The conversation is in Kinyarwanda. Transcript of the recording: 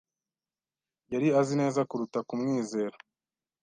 Yari azi neza kuruta kumwizera.